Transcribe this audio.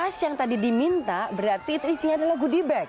pas yang tadi diminta berarti itu isinya adalah goodie bag